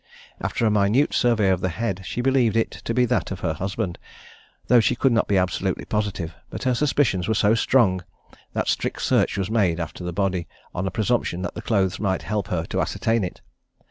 After a minute survey of the head, she believed it to be that of her husband, though she could not be absolutely positive, but her suspicions were so strong, that strict search was made after the body, on a presumption that the clothes might help her to ascertain it.